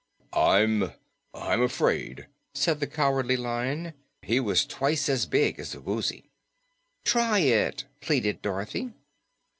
"I'm I'm afraid," said the Cowardly Lion. He was twice as big as the Woozy. "Try it," pleaded Dorothy.